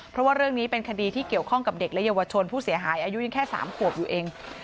เพราะว่าเรื่องนี้เป็นคดีที่เกี่ยวข้องกับเด็กและเยาวชนผู้เสียหายอายุยังแค่๓ขวบอยู่เอง